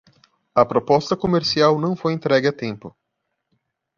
A proposta comercial não foi entregue a tempo